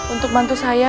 untuk bantu saya